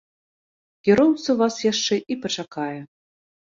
Кіроўца вас яшчэ і пачакае.